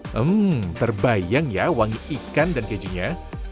hmm terbayang ya wangi ikan dan kejunya